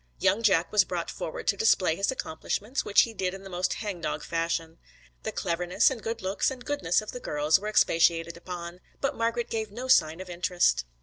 Young Jack was brought forward to display his accomplishments, which he did in the most hang dog fashion. The cleverness and good looks and goodness of the girls were expatiated upon, but Margret gave no sign of interest.